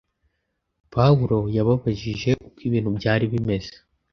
Pawulo yababajije uko ibintu byari bimeze